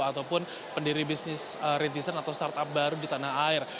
ataupun pendiri bisnis rintisan atau startup baru di tanah air